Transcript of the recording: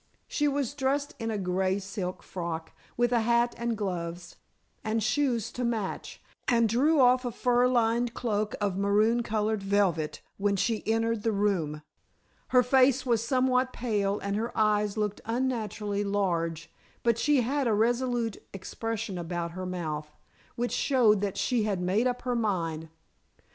She was dressed in a gray silk frock, with a hat and gloves, and shoes to match, and drew off a fur lined cloak of maroon colored velvet, when she entered the room. Her face was somewhat pale and her eyes looked unnaturally large, but she had a resolute expression about her mouth, which showed that she had made up her mind.